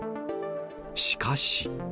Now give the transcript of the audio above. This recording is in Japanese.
しかし。